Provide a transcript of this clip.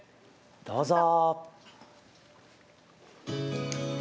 どうぞ。